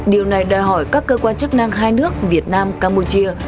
điều này đòi hỏi các cơ quan chức năng hai nước việt nam campuchia